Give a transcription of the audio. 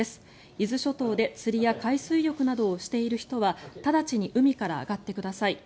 伊豆諸島で釣りや海水浴などをしている人は直ちに海から上がってください。